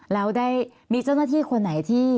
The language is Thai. แล้วได้มีเจ้าหน้าที่คนไหนที่